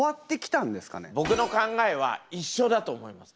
僕の考えは一緒だと思います。